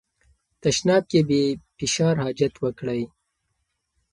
تشناب کې بې فشار حاجت وکړئ.